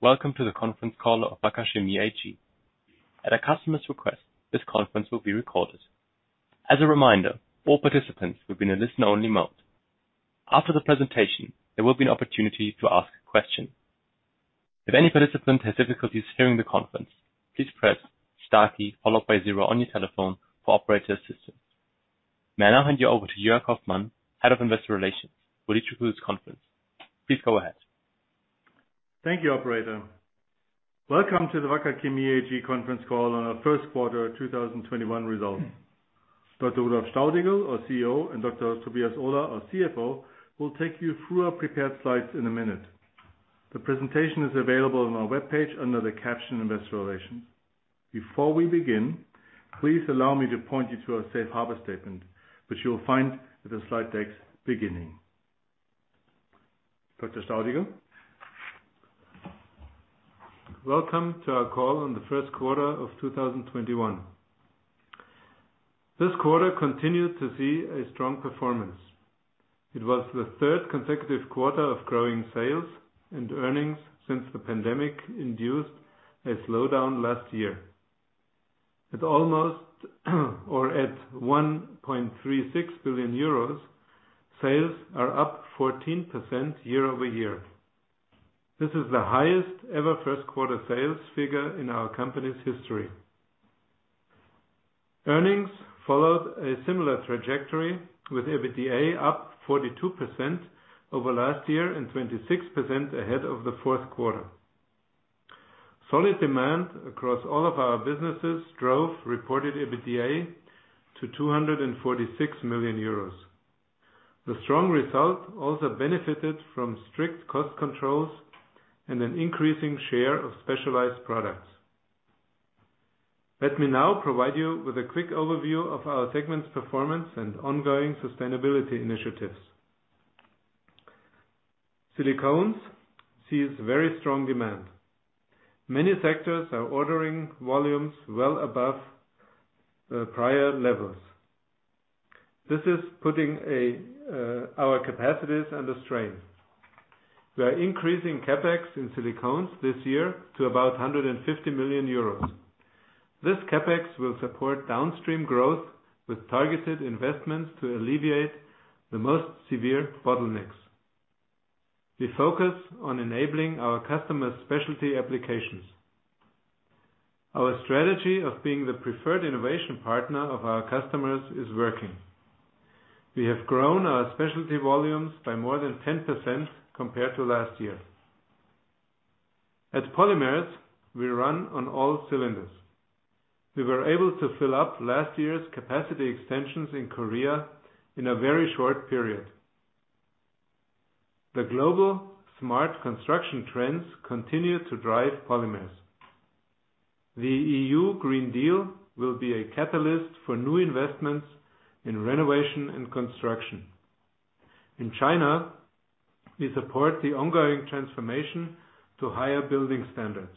Welcome to the conference call of Wacker Chemie AG. At a customer's request, this conference will be recorded. As a reminder, all participants will be in a listen-only mode. After the presentation, there will be an opportunity to ask a question. If any participant has difficulties hearing the conference, please press star key followed by zero on your telephone for operator assistance. May I now hand you over to Joerg Hoffmann, Head of Investor Relations, who will introduce conference. Please go ahead. Thank you, operator. Welcome to the Wacker Chemie AG conference call on our first quarter 2021 results. Dr. Rudolf Staudigl, our CEO, and Dr. Tobias Ohler, our Stifel, will take you through our prepared slides in a minute. The presentation is available on our webpage under the caption Investor Relations. Before we begin, please allow me to point you to our safe harbor statement, which you will find at the slide deck's beginning. Dr. Staudigl. Welcome to our call on the first quarter of 2021. This quarter continued to see a strong performance. It was the third consecutive quarter of growing sales and earnings since the pandemic induced a slowdown last year. At €1.36 billion, sales are up 14% year-over-year. This is the highest-ever first quarter sales figure in our company's history. Earnings followed a similar trajectory, with EBITDA up 42% over last year and 26% ahead of the fourth quarter. Solid demand across all of our businesses drove reported EBITDA to €246 million. The strong result also benefited from strict cost controls and an increasing share of specialized products. Let me now provide you with a quick overview of our segment's performance and ongoing sustainability initiatives. Silicones sees very strong demand. Many sectors are ordering volumes well above the prior levels. This is putting our capacities under strain. We are increasing CapEx in silicones this year to about €150 million. This CapEx will support downstream growth with targeted investments to alleviate the most severe bottlenecks. We focus on enabling our customers' specialty applications. Our strategy of being the preferred innovation partner of our customers is working. We have grown our specialty volumes by more than 10% compared to last year. At Polymers, we run on all cylinders. We were able to fill up last year's capacity extensions in Korea in a very short period. The global smart construction trends continue to drive polymers. The EU Green Deal will be a catalyst for new investments in renovation and construction. In China, we support the ongoing transformation to higher building standards.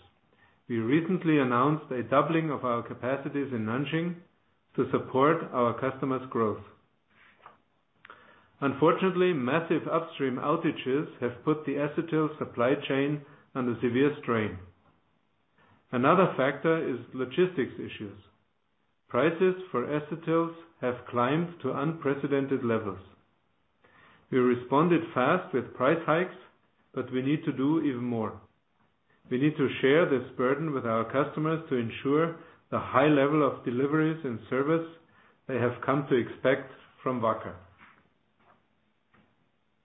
We recently announced a doubling of our capacities in Nanjing to support our customers' growth. Unfortunately, massive upstream outages have put the acetyl supply chain under severe strain. Another factor is logistics issues. Prices for acetyls have climbed to unprecedented levels. We responded fast with price hikes, we need to do even more. We need to share this burden with our customers to ensure the high level of deliveries and service they have come to expect from Wacker.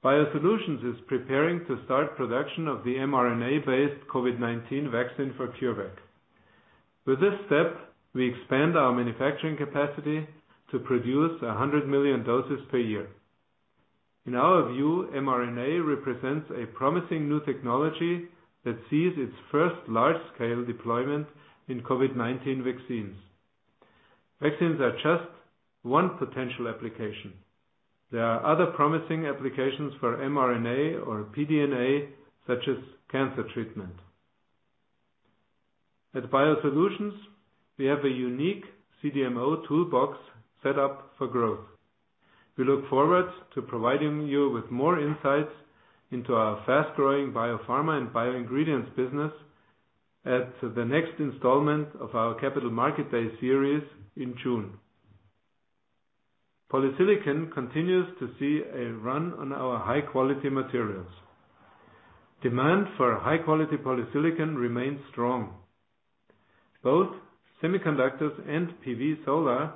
Biosolutions is preparing to start production of the mRNA-based COVID-19 vaccine for CureVac. With this step, we expand our manufacturing capacity to produce 100 million doses per year. In our view, mRNA represents a promising new technology that sees its first large-scale deployment in COVID-19 vaccines. Vaccines are just one potential application. There are other promising applications for mRNA or pDNA, such as cancer treatment. At Biosolutions, we have a unique CDMO toolbox set up for growth. We look forward to providing you with more insights into our fast-growing biopharma and bioingredients business at the next installment of our Capital Market Day series in June. Polysilicon continues to see a run on our high-quality materials. Demand for high-quality polysilicon remains strong. Both semiconductors and PV solar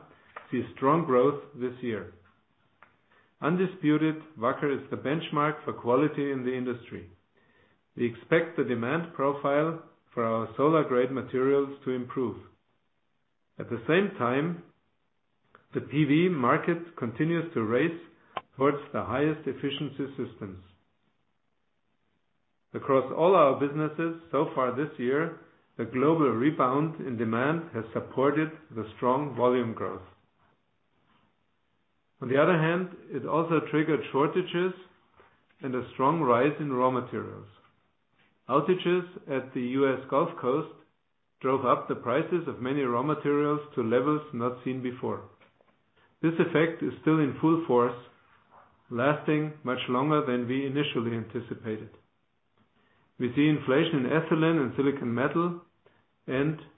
see strong growth this year. Undisputed, Wacker is the benchmark for quality in the industry. We expect the demand profile for our solar-grade materials to improve. At the same time, the PV market continues to race towards the highest efficiency systems. Across all our businesses so far this year, the global rebound in demand has supported the strong volume growth. On the other hand, it also triggered shortages and a strong rise in raw materials. Outages at the U.S. Gulf Coast drove up the prices of many raw materials to levels not seen before. This effect is still in full force, lasting much longer than we initially anticipated. We see inflation in ethylene and silicon metal,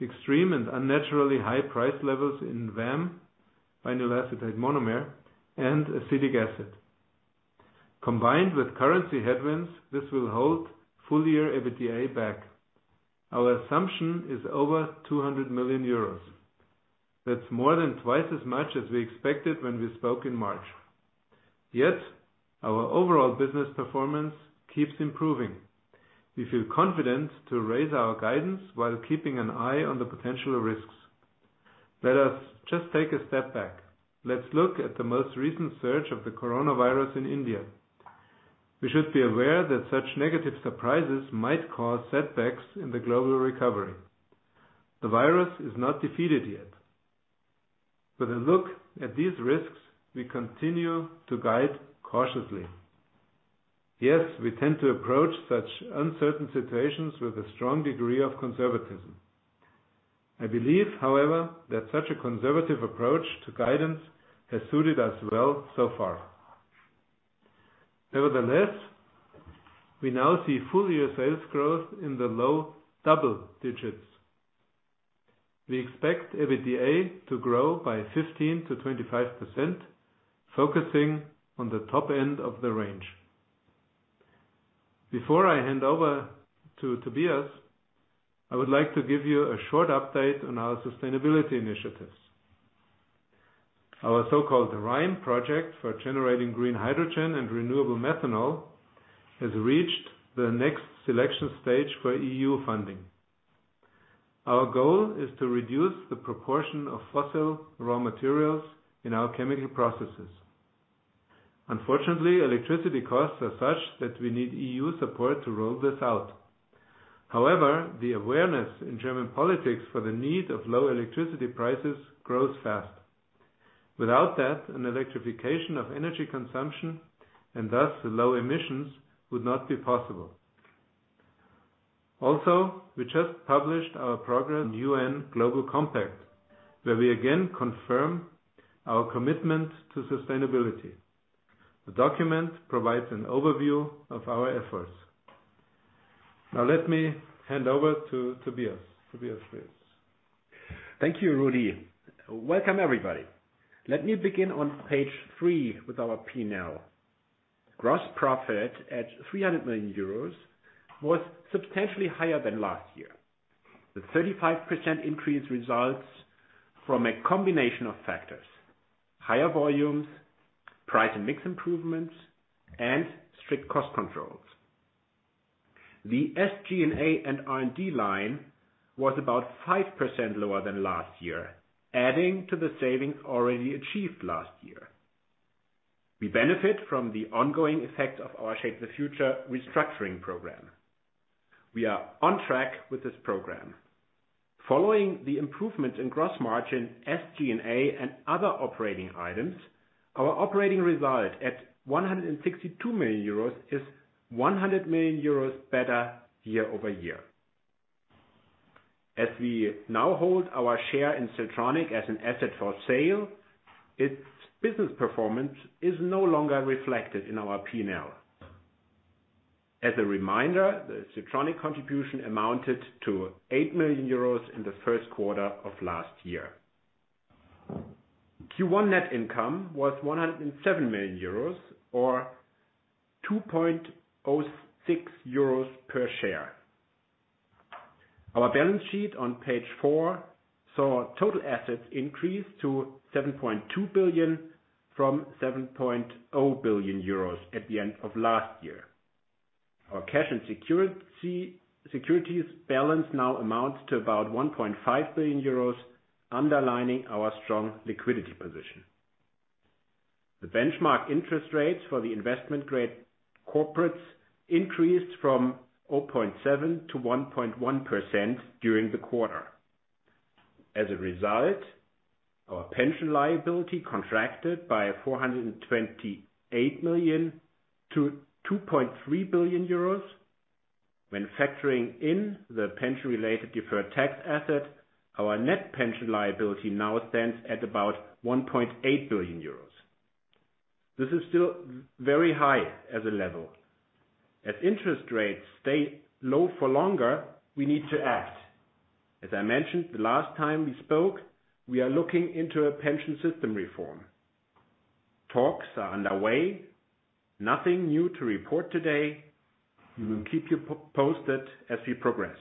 extreme and unnaturally high price levels in VAM, vinyl acetate monomer, and acetic acid. Combined with currency headwinds, this will hold full-year EBITDA back. Our assumption is over 200 million euros. That's more than twice as much as we expected when we spoke in March. Our overall business performance keeps improving. We feel confident to raise our guidance while keeping an eye on the potential risks. Let us just take a step back. Let's look at the most recent surge of the coronavirus in India. We should be aware that such negative surprises might cause setbacks in the global recovery. The virus is not defeated yet. With a look at these risks, we continue to guide cautiously. Yes, we tend to approach such uncertain situations with a strong degree of conservatism. I believe, however, that such a conservative approach to guidance has suited us well so far. Nevertheless, we now see full-year sales growth in the low double digits. We expect EBITDA to grow by 15%-25%, focusing on the top end of the range. Before I hand over to Tobias, I would like to give you a short update on our sustainability initiatives. Our so-called RHYME Bavaria project for generating green hydrogen and renewable methanol has reached the next selection stage for EU funding. Our goal is to reduce the proportion of fossil raw materials in our chemical processes. Unfortunately, electricity costs are such that we need EU support to roll this out. However, the awareness in German politics for the need of low electricity prices grows fast. Without that, an electrification of energy consumption, and thus low emissions, would not be possible. Also, we just published our progress on UN Global Compact, where we again confirm our commitment to sustainability. The document provides an overview of our efforts. Now let me hand over to Tobias. Tobias, please. Thank you, Rudy. Welcome, everybody. Let me begin on page three with our P&L. Gross profit at 300 million euros was substantially higher than last year. The 35% increase results from a combination of factors. Higher volumes, price and mix improvements, and strict cost controls. The SG&A and R&D line was about 5% lower than last year, adding to the savings already achieved last year. We benefit from the ongoing effects of our Shape the Future restructuring program. We are on track with this program. Following the improvement in gross margin, SG&A, and other operating items, our operating result at 162 million euros is 100 million euros better year-over-year. As we now hold our share in Siltronic as an asset for sale, its business performance is no longer reflected in our P&L. As a reminder, the Siltronic contribution amounted to 8 million euros in the first quarter of last year. Q1 net income was €107 million, or €2.06 per share. Our balance sheet on page four saw total assets increase to 7.2 billion from €7.0 billion at the end of last year. Our cash and securities balance now amounts to about €1.5 billion, underlining our strong liquidity position. The benchmark interest rates for the investment-grade corporates increased from 0.7% -1.1% during the quarter. As a result, our pension liability contracted by 428 million to €2.3 billion. When factoring in the pension-related deferred tax asset, our net pension liability now stands at about €1.8 billion. This is still very high as a level. As interest rates stay low for longer, we need to act. As I mentioned the last time we spoke, we are looking into a pension system reform. Talks are underway. Nothing new to report today. We will keep you posted as we progress.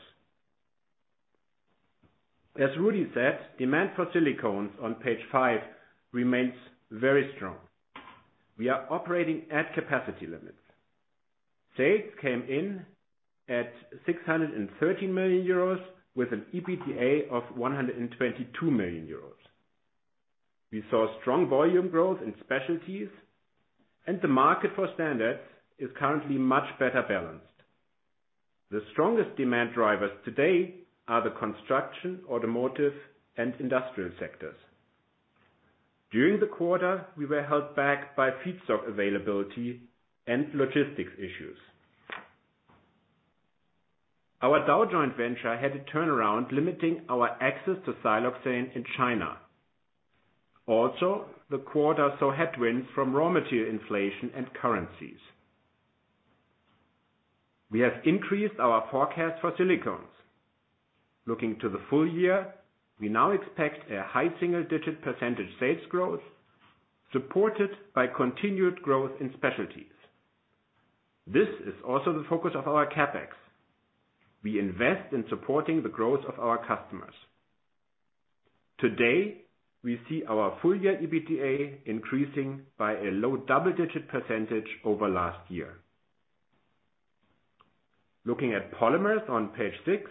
As Rudy said, demand for silicones on page five remains very strong. We are operating at capacity limits. Sales came in at 613 million euros, with an EBITDA of 122 million euros. We saw strong volume growth in specialties, and the market for standards is currently much better balanced. The strongest demand drivers today are the construction, automotive, and industrial sectors. During the quarter, we were held back by feedstock availability and logistics issues. Our Dow joint venture had a turnaround limiting our access to siloxane in China. The quarter saw headwinds from raw material inflation and currencies. We have increased our forecast for silicones. Looking to the full-year, we now expect a high single-digit percentage sales growth supported by continued growth in specialties. This is also the focus of our CapEx. We invest in supporting the growth of our customers. Today, we see our full-year EBITDA increasing by a low double-digit percentage over last year. Looking at polymers on page six,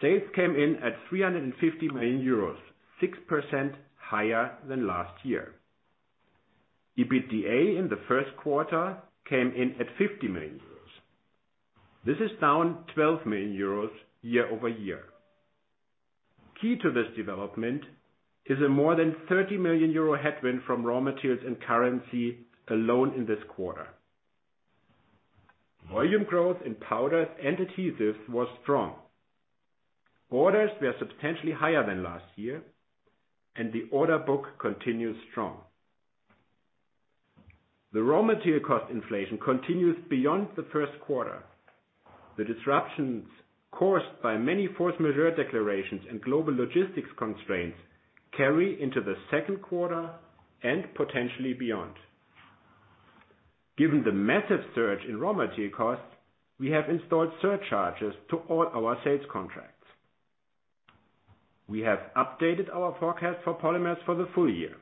sales came in at 350 million euros, 6% higher than last year. EBITDA in the first quarter came in at 50 million euros. This is down 12 million euros year-over-year. Key to this development is a more than 30 million euro headwind from raw materials and currency alone in this quarter. Volume growth in powders and adhesives was strong. Orders were substantially higher than last year, and the order book continues strong. The raw material cost inflation continues beyond the first quarter. The disruptions caused by many force majeure declarations and global logistics constraints carry into the second quarter and potentially beyond. Given the massive surge in raw material costs, we have installed surcharges to all our sales contracts. We have updated our forecast for polymers for the full-year.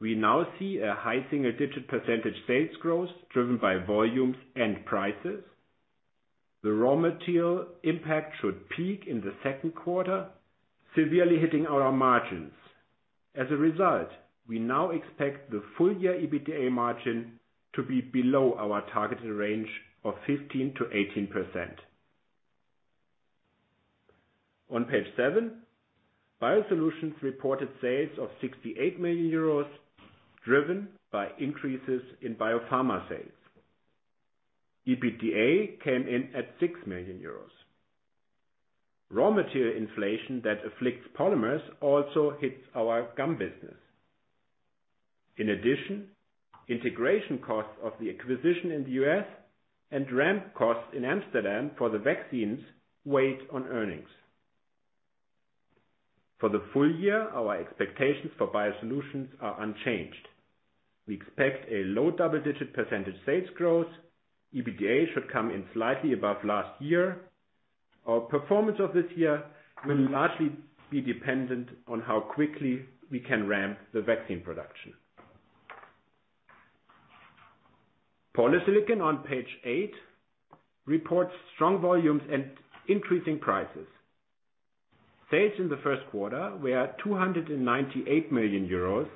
We now see a high single-digit percentage sales growth driven by volumes and prices. The raw material impact should peak in the second quarter, severely hitting our margins. As a result, we now expect the full-year EBITDA margin to be below our targeted range of 15%-18%. On page seven, Biosolutions reported sales of 68 million euros, driven by increases in biopharma sales. EBITDA came in at 6 million euros. Raw material inflation that afflicts polymers also hits our gum business. In addition, integration costs of the acquisition in the U.S. and ramp costs in Amsterdam for the vaccines weighed on earnings. For the full-year, our expectations for Biosolutions are unchanged. We expect a low double-digit percentage sales growth. EBITDA should come in slightly above last year. Our performance of this year will largely be dependent on how quickly we can ramp the vaccine production. Polysilicon on page eight reports strong volumes and increasing prices. Sales in the first quarter were 298 million euros,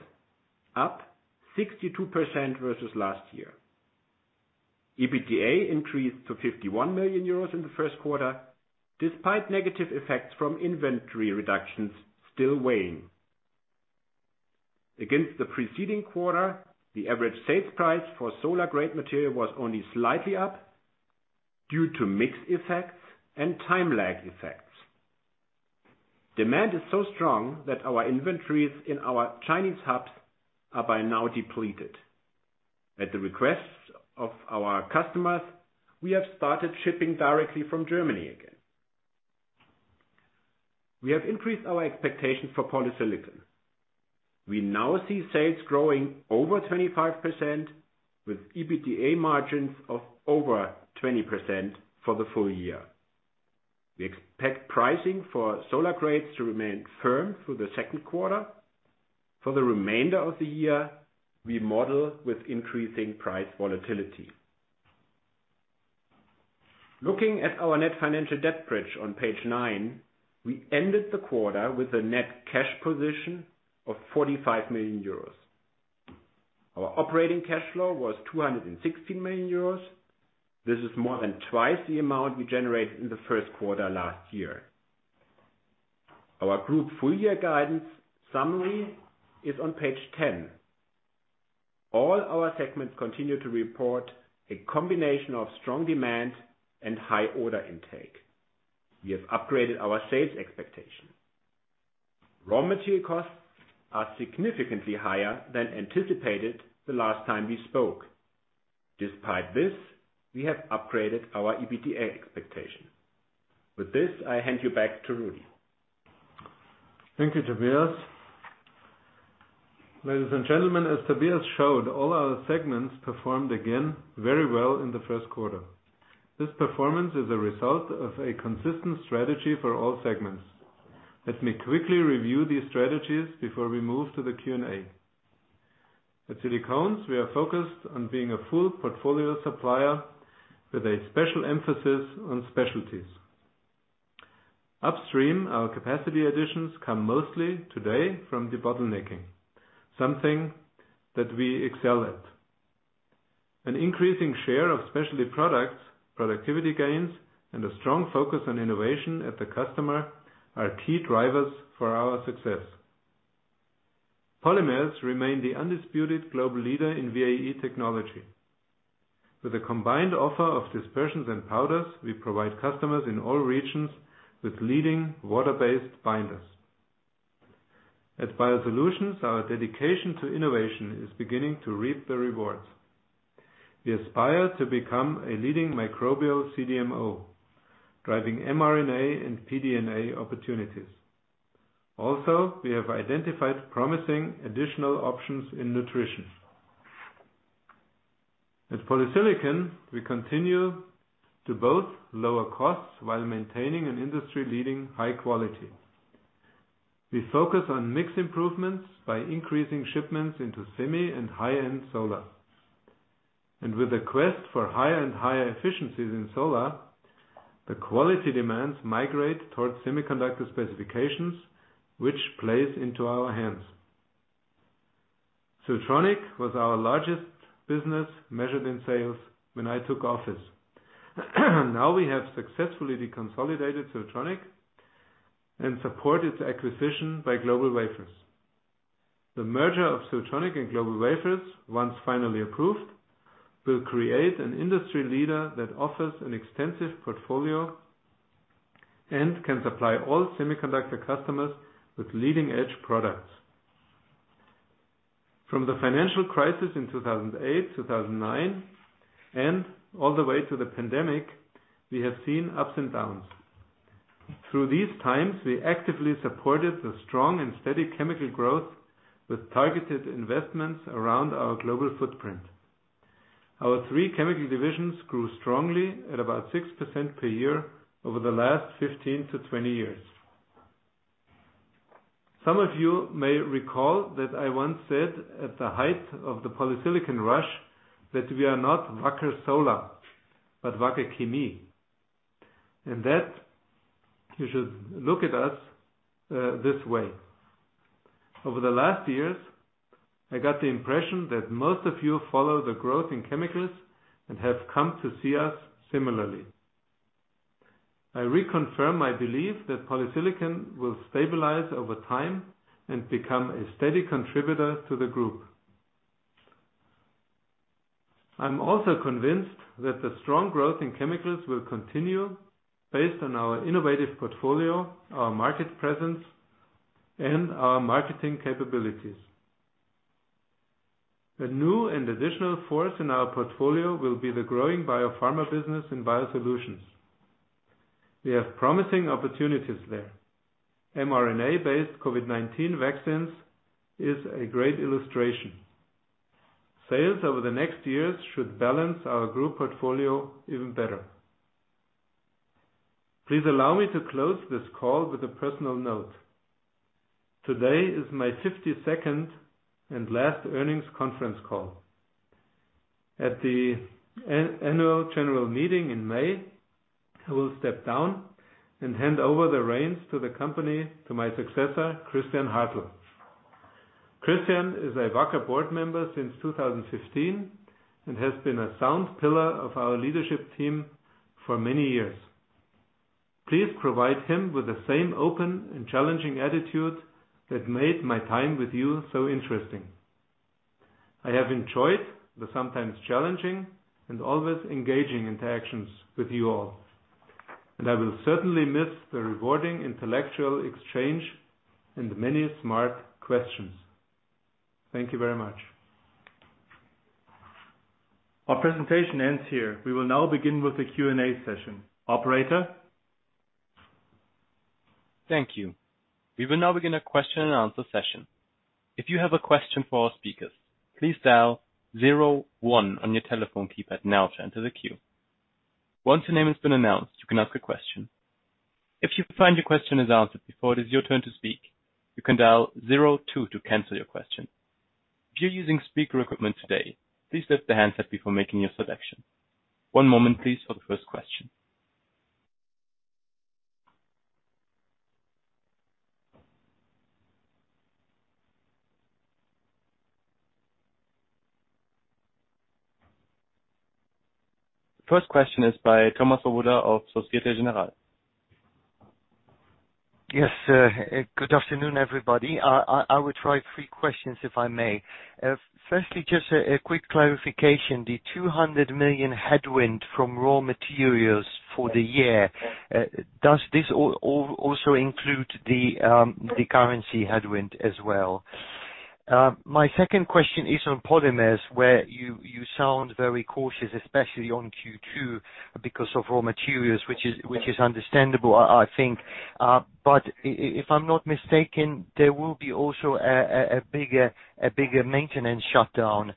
up 62% versus last year. EBITDA increased to 51 million euros in the first quarter, despite negative effects from inventory reductions still weighing. Against the preceding quarter, the average sales price for solar grade material was only slightly up due to mix effects and time lag effects. Demand is so strong that our inventories in our Chinese hubs are by now depleted. At the request of our customers, we have started shipping directly from Germany again. We have increased our expectations for Polysilicon. We now see sales growing over 25% with EBITDA margins of over 20% for the full-year. We expect pricing for solar grades to remain firm through the second quarter. For the remainder of the year, we model with increasing price volatility. Looking at our net financial debt bridge on page nine, we ended the quarter with a net cash position of 45 million euros. Our operating cash flow was 216 million euros. This is more than twice the amount we generated in the first quarter last year. Our group full-year guidance summary is on page 10. All our segments continue to report a combination of strong demand and high order intake. We have upgraded our sales expectation. Raw material costs are significantly higher than anticipated the last time we spoke. Despite this, we have upgraded our EBITDA expectation. With this, I hand you back to Rudi. Thank you, Tobias. Ladies and gentlemen, as Tobias showed, all our segments performed again very well in the first quarter. This performance is a result of a consistent strategy for all segments. Let me quickly review these strategies before we move to the Q&A. At Silicones, we are focused on being a full portfolio supplier with a special emphasis on specialties. Upstream, our capacity additions come mostly today from debottlenecking, something that we excel at. An increasing share of specialty products, productivity gains, and a strong focus on innovation at the customer are key drivers for our success. Polymers remain the undisputed global leader in VAE technology. With a combined offer of dispersions and polymer powders, we provide customers in all regions with leading water-based binders. At Biosolutions, our dedication to innovation is beginning to reap the rewards. We aspire to become a leading microbial CDMO, driving mRNA and pDNA opportunities. We have identified promising additional options in nutrition. At Polysilicon, we continue to both lower costs while maintaining an industry-leading high quality. We focus on mix improvements by increasing shipments into semi and high-end solar. With the quest for higher and higher efficiencies in solar, the quality demands migrate towards semiconductor specifications, which plays into our hands. Siltronic was our largest business measured in sales when I took office. We have successfully deconsolidated Siltronic and support its acquisition by GlobalWafers. The merger of Siltronic and GlobalWafers, once finally approved, will create an industry leader that offers an extensive portfolio and can supply all semiconductor customers with leading-edge products. From the financial crisis in 2008, 2009, and all the way to the pandemic, we have seen ups and downs. Through these times, we actively supported the strong and steady chemical growth with targeted investments around our global footprint. Our three chemical divisions grew strongly at about 6% per year over the last 15-20 years. Some of you may recall that I once said at the height of the polysilicon rush that we are not Wacker Solar, but Wacker Chemie, and that you should look at us this way. Over the last years, I got the impression that most of you follow the growth in chemicals and have come to see us similarly. I reconfirm my belief that polysilicon will stabilize over time and become a steady contributor to the group. I'm also convinced that the strong growth in chemicals will continue based on our innovative portfolio, our market presence, and our marketing capabilities. A new and additional force in our portfolio will be the growing biopharma business in Biosolutions. We have promising opportunities there. mRNA-based COVID-19 vaccines is a great illustration. Sales over the next years should balance our group portfolio even better. Please allow me to close this call with a personal note. Today is my 52nd and last earnings conference call. At the annual general meeting in May, I will step down and hand over the reins to the company to my successor, Christian Hartel. Christian is a Wacker board member since 2015 and has been a sound pillar of our leadership team for many years. Please provide him with the same open and challenging attitude that made my time with you so interesting. I have enjoyed the sometimes challenging and always engaging interactions with you all, and I will certainly miss the rewarding intellectual exchange and the many smart questions. Thank you very much. Our presentation ends here. We will now begin with the Q&A session. Operator? Thank you. We will now begin a question-and-answer session. First question is by Thomas Owuor of Societe Generale. Yes, good afternoon, everybody. I would try three questions, if I may. Firstly, just a quick clarification. The 200 million headwind from raw materials for the year, does this also include the currency headwind as well? My second question is on polymers, where you sound very cautious, especially on Q2 because of raw materials, which is understandable, I think. If I'm not mistaken, there will be also a bigger maintenance shutdown.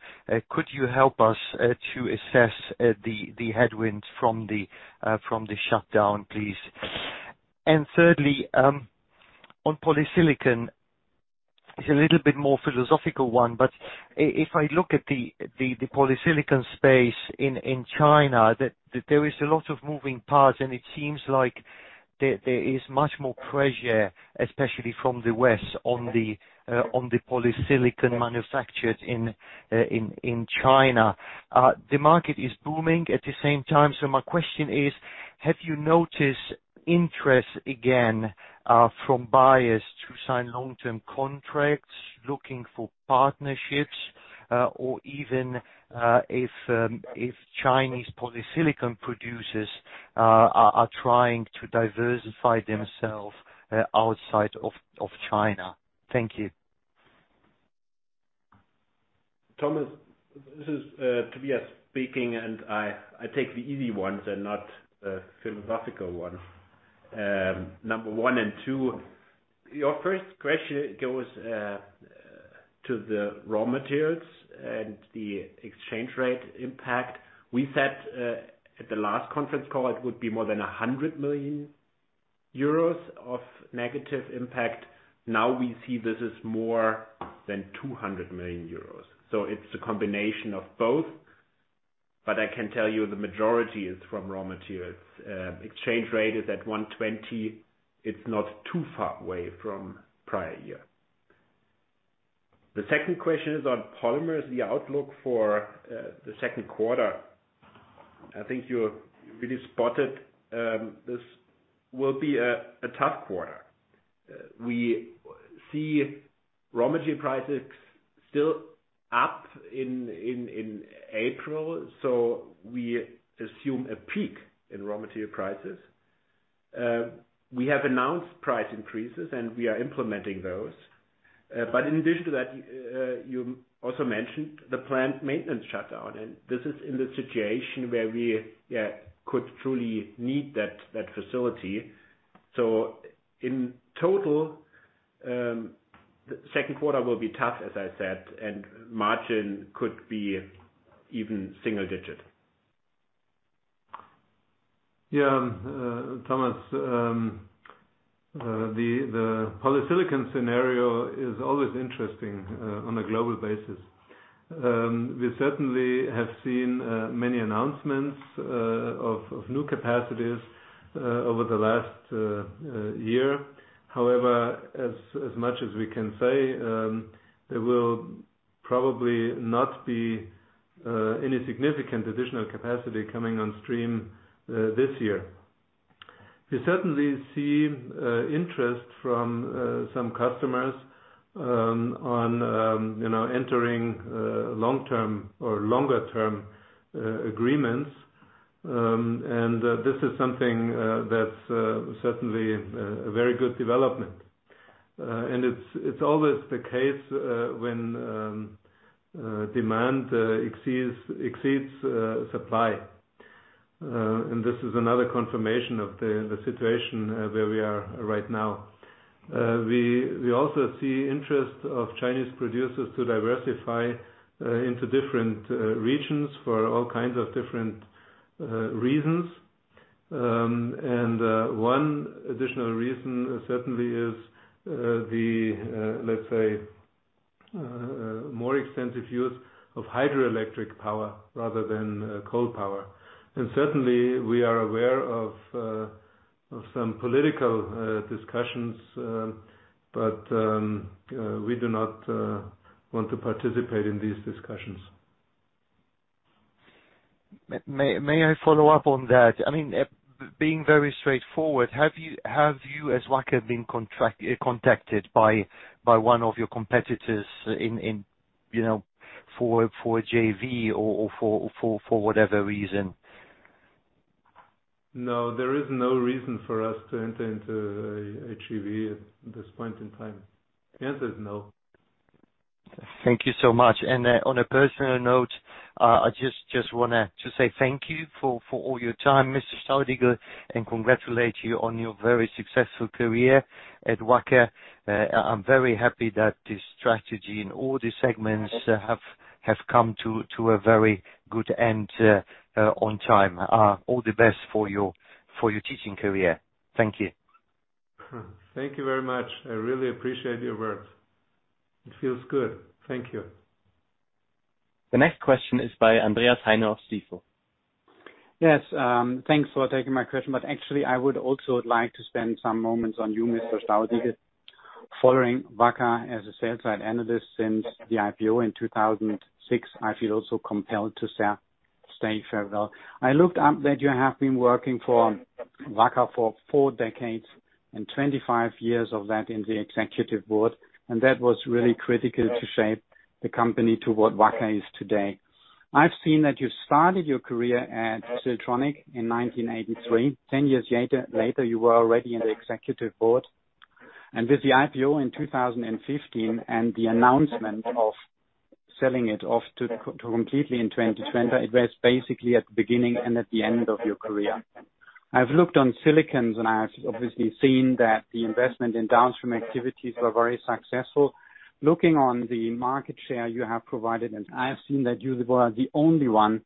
Could you help us to assess the headwinds from the shutdown, please? Thirdly, on polysilicon, it's a little bit more philosophical one. If I look at the polysilicon space in China, there is a lot of moving parts and it seems like there is much more pressure, especially from the West, on the polysilicon manufactured in China. The market is booming at the same time. My question is, have you noticed interest again from buyers to sign long-term contracts, looking for partnerships, or even if Chinese polysilicon producers are trying to diversify themselves outside of China? Thank you. Thomas, this is Tobias speaking. I take the easy ones and not the philosophical one. Number one and two, your first question goes to the raw materials and the exchange rate impact. We said at the last conference call it would be more than 100 million euros of negative impact. Now we see this is more than 200 million euros. It's a combination of both. I can tell you the majority is from raw materials. Exchange rate is at 120. It's not too far away from prior year. The second question is on polymers, the outlook for the second quarter. I think you really spotted this will be a tough quarter. We see raw material prices still up in April. We assume a peak in raw material prices. We have announced price increases. We are implementing those. In addition to that, you also mentioned the plant maintenance shutdown, and this is in the situation where we could truly need that facility. In total, second quarter will be tough, as I said, and margin could be even single-digit. Yeah. Thomas, the polysilicon scenario is always interesting on a global basis. We certainly have seen many announcements of new capacities over the last year. As much as we can say, there will probably not be any significant additional capacity coming on stream this year. We certainly see interest from some customers on entering longer-term agreements. This is something that's certainly a very good development. It's always the case when demand exceeds supply. This is another confirmation of the situation where we are right now. We also see interest of Chinese producers to diversify into different regions for all kinds of different reasons. One additional reason certainly is the, let's say, more extensive use of hydroelectric power rather than coal power. Certainly, we are aware of some political discussions, but we do not want to participate in these discussions. May I follow up on that? Being very straightforward, have you as Wacker been contacted by one of your competitors for a JV or for whatever reason? No. There is no reason for us to enter into a JV at this point in time. The answer is no. Thank you so much. On a personal note, I just want to say thank you for all your time, Mr. Staudigl, and congratulate you on your very successful career at Wacker. I'm very happy that this strategy in all the segments have come to a very good end on time. All the best for your teaching career. Thank you. Thank you very much. I really appreciate your words. It feels good. Thank you. The next question is by Andreas Heine of Stifel. Yes. Thanks for taking my question. Actually, I would also like to spend some moments on you, Mr. Staudigl. Following Wacker as a sales side analyst since the IPO in 2006, I feel also compelled to say farewell. I looked up that you have been working for Wacker for four decades, and 25 years of that in the Executive Board, and that was really critical to shape the company to what Wacker is today. I've seen that you started your career at Siltronic in 1983. 10 years later, you were already in the Executive Board. With the IPO in 2015 and the announcement of selling it off to completely in 2020, it was basically at the beginning and at the end of your career. I've looked on silicones, I have obviously seen that the investment in downstream activities were very successful. Looking on the market share you have provided, I have seen that you were the only one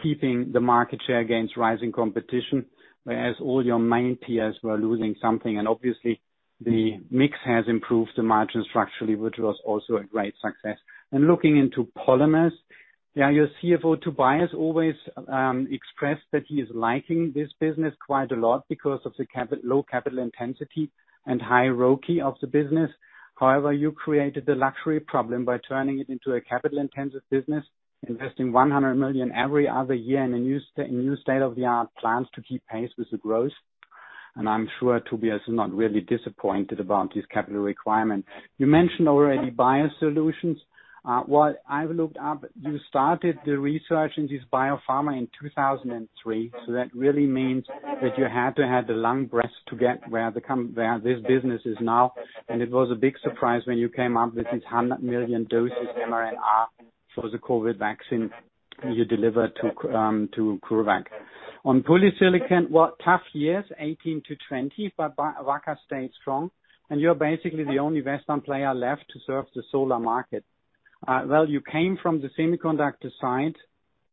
keeping the market share against rising competition, whereas all your main peers were losing something. Obviously, the mix has improved the margin structurally, which was also a great success. Looking into polymers, your Stifel, Tobias, always expressed that he is liking this business quite a lot because of the low capital intensity and high ROCE of the business. However, you created the luxury problem by turning it into a capital-intensive business, investing 100 million every other year in a new state-of-the-art plant to keep pace with the growth. I'm sure Tobias is not really disappointed about this capital requirement. You mentioned already biosolutions. What I've looked up, you started the research in this biopharma in 2003, that really means that you had to have the long breath to get where this business is now. It was a big surprise when you came up with this 100 million doses mRNA for the COVID vaccine you delivered to CureVac. On polysilicon, well, tough years 2018 - 2020, Wacker stayed strong, you're basically the only Western player left to serve the solar market. Well, you came from the semiconductor side,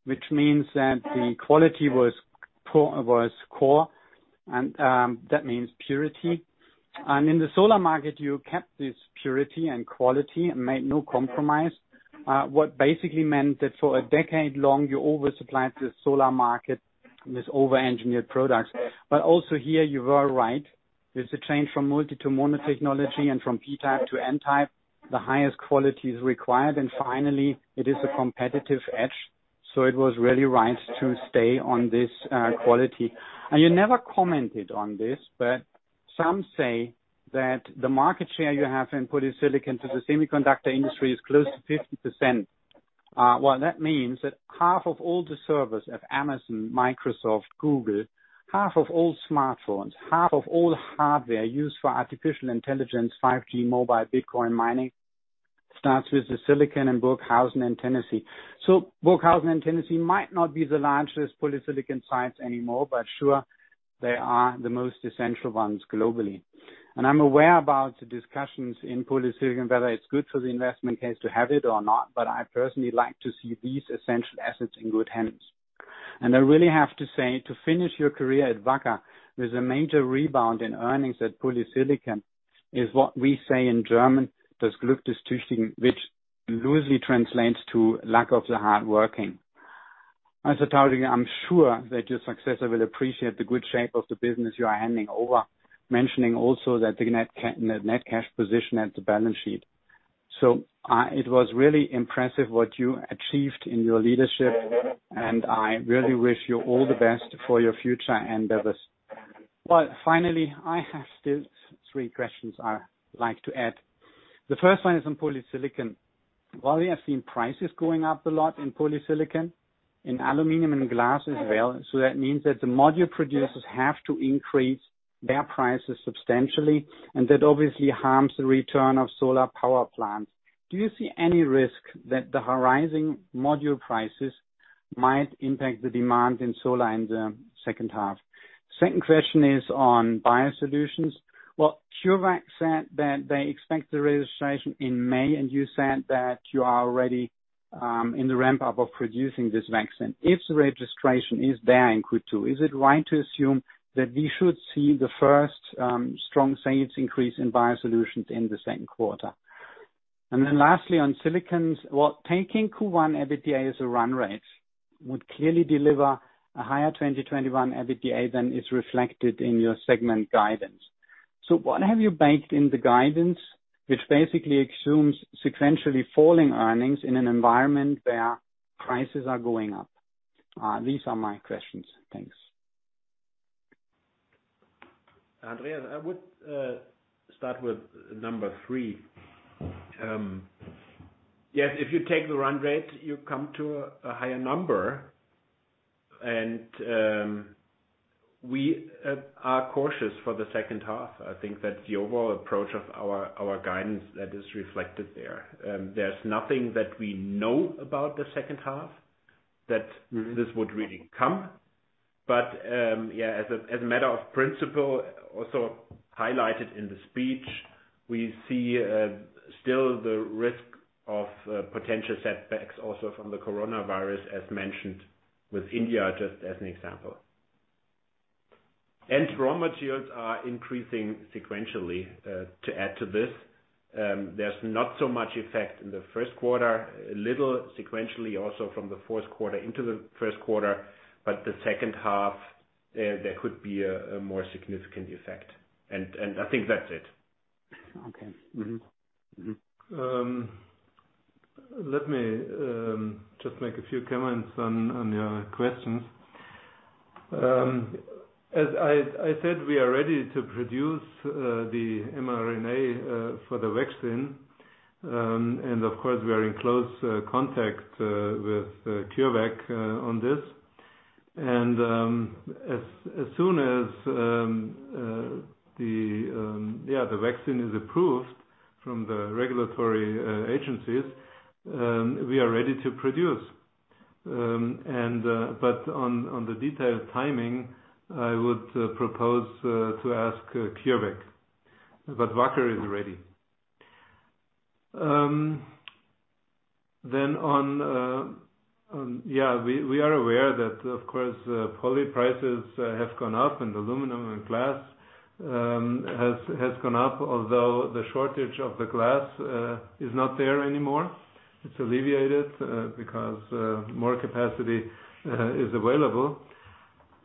which means that the quality was core, and that means purity. In the solar market, you kept this purity and quality and made no compromise. What basically meant that for a decade long, you over-supplied the solar market with over-engineered products. Also here you were right. With the change from multi to mono technology and from P-type to N-type, the highest quality is required, and finally it is a competitive edge. It was really right to stay on this quality. You never commented on this, but some say that the market share you have in polysilicon for the semiconductor industry is close to 50%. What that means that half of all the servers of Amazon, Microsoft, Google, half of all smartphones, half of all hardware used for artificial intelligence, 5G mobile, Bitcoin mining, starts with the silicon in Burghausen and Tennessee. Burghausen and Tennessee might not be the largest polysilicon sites anymore, but sure, they are the most essential ones globally. I'm aware about the discussions in polysilicon, whether it's good for the investment case to have it or not, but I personally like to see these essential assets in good hands. I really have to say, to finish your career at Wacker, with a major rebound in earnings at polysilicon, is what we say in German, which loosely translates to lack of the hard working. As a target, I'm sure that your successor will appreciate the good shape of the business you are handing over, mentioning also the net cash position at the balance sheet. It was really impressive what you achieved in your leadership, and I really wish you all the best for your future endeavors. Finally, I have still three questions I would like to add. The first one is on polysilicon. While we have seen prices going up a lot in polysilicon, in aluminum and glass as well, so that means that the module producers have to increase their prices substantially, and that obviously harms the return of solar power plants. Do you see any risk that the rising module prices might impact the demand in solar in the second half? Second question is on biosolutions. Well, CureVac said that they expect the registration in May, and you said that you are already, in the ramp-up of producing this vaccine. If the registration is there in Q2, is it right to assume that we should see the first, strong sales increase in biosolutions in the second quarter? Lastly, on silicons. Well, taking Q1 EBITDA as a run rate would clearly deliver a higher 2021 EBITDA than is reflected in your segment guidance. What have you baked in the guidance, which basically assumes sequentially falling earnings in an environment where prices are going up? These are my questions. Thanks. Andreas, I would start with number three. Yes, if you take the run rate, you come to a higher number. We are cautious for the second half. I think that's the overall approach of our guidance that is reflected there. There's nothing that we know about the second half that this would really come. Yeah, as a matter of principle, also highlighted in the speech, we see still the risk of potential setbacks also from the coronavirus, as mentioned with India, just as an example. Raw materials are increasing sequentially, to add to this. There's not so much effect in the first quarter, a little sequentially also from the fourth quarter into the first quarter, the second half, there could be a more significant effect. I think that's it. Okay. Mm-hmm. Let me just make a few comments on your questions. As I said, we are ready to produce the mRNA for the vaccine. Of course, we are in close contact with CureVac on this. As soon as the vaccine is approved from the regulatory agencies, we are ready to produce. On the detailed timing, I would propose to ask CureVac. Wacker is ready. We are aware that, of course, poly prices have gone up and aluminum and glass has gone up, although the shortage of the glass is not there anymore. It's alleviated because more capacity is available.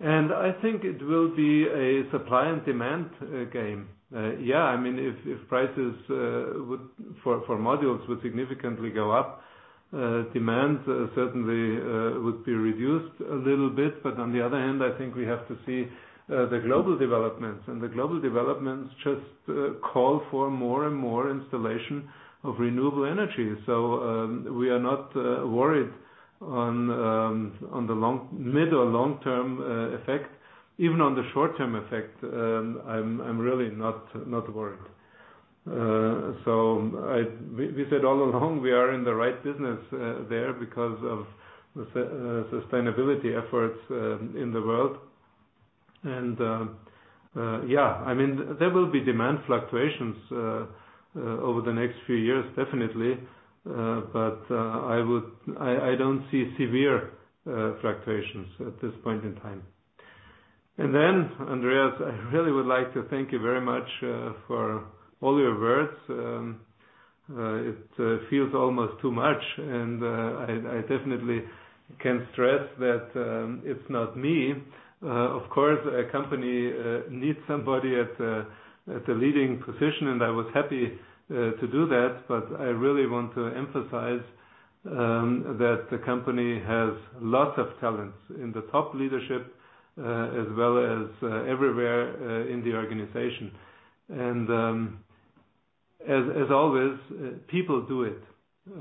I think it will be a supply and demand game. If prices for modules would significantly go up, demand certainly would be reduced a little bit. On the other hand, I think we have to see the global developments. The global developments just call for more and more installation of renewable energy. We are not worried on the mid or long-term effect. Even on the short-term effect, I'm really not worried. We said all along, we are in the right business there because of sustainability efforts in the world. There will be demand fluctuations over the next few years, definitely. I don't see severe fluctuations at this point in time. Andreas, I really would like to thank you very much for all your words. It feels almost too much, and I definitely can stress that it's not me. Of course, a company needs somebody at the leading position, and I was happy to do that. I really want to emphasize that the company has lots of talents in the top leadership, as well as everywhere in the organization. As always, people do it.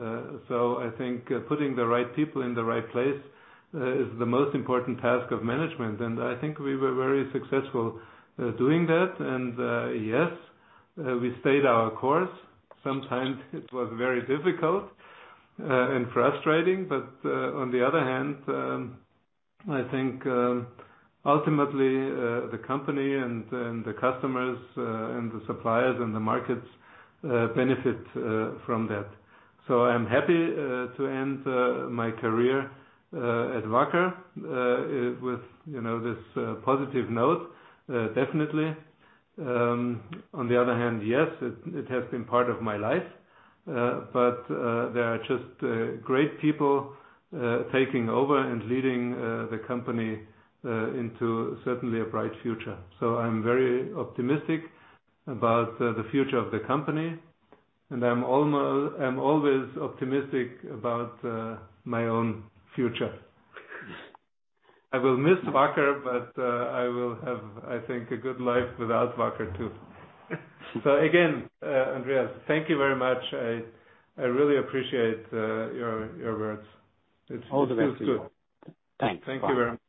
I think putting the right people in the right place is the most important task of management, and I think we were very successful doing that. Yes, we stayed our course. Sometimes it was very difficult and frustrating. On the other hand, I think, ultimately, the company and the customers and the suppliers and the markets benefit from that. I'm happy to end my career at Wacker, with this positive note, definitely. On the other hand, yes, it has been part of my life, but there are just great people taking over and leading the company into certainly a bright future. I'm very optimistic about the future of the company, and I'm always optimistic about my own future. I will miss Wacker, but I will have, I think, a good life without Wacker, too. Again, Andreas, thank you very much. I really appreciate your words. All the best to you. It feels good. Thanks. Thank you very much.